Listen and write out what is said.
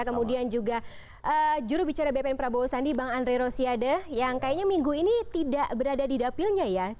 kemudian juga jurubicara bpn prabowo sandi bang andre rosiade yang kayaknya minggu ini tidak berada di dapilnya ya